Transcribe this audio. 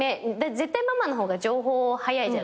絶対ママの方が情報早いじゃないですか。